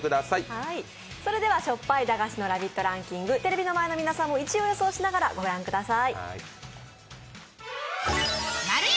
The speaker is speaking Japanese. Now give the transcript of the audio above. それではしょっぱい駄菓子のランキング、テレビの前の皆さんも１位を予想しながら御覧ください。